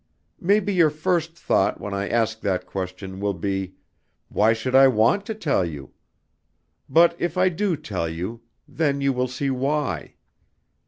"Maybe your first thought when I ask that question, will be why should I want to tell you? But if I do tell you, then you will see why.